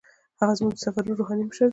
هغه زموږ د سفرونو روحاني مشر دی.